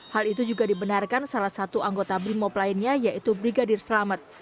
hal itu juga dibenarkan salah satu anggota brimop lainnya yaitu brigadir selamet